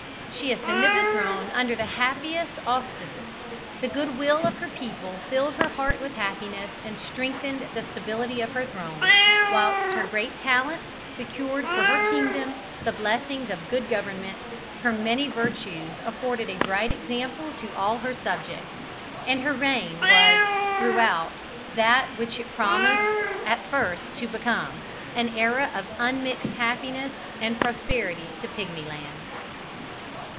She ascended the throne under the happiest auspices: the good will of her people filled her heart with happiness and strengthened the stability of her throne, whilst her great talents secured for her kingdom the blessings of good government, her many virtues afforded a bright example to all her subjects, and her reign was throughout, that which it promised at the first to become, an era of unmixed happiness and prosperity to Pigmyland.